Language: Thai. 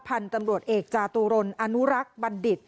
พันธุ์ตำรวจเอกจาตุรนอนุรักษ์บัณฑิต